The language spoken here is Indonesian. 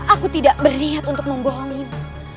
aku tidak berniat untuk membohongimu